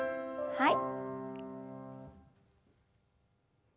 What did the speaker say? はい。